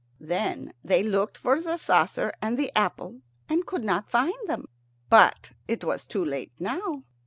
Then they looked for the saucer and the apple, and could not find them. But it was too late now.